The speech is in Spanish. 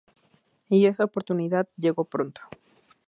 Y esa oportunidad llegó pronto.